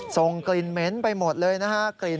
ส่งกลิ่นเหม็นไปหมดเลยนะฮะ